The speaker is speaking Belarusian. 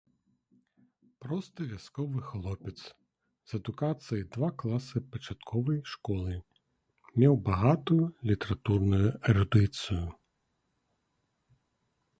Просты вясковы хлопец з адукацыяй два класы пачатковай школы меў багатую літаратурную эрудыцыю.